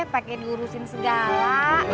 pakai menguruskan segala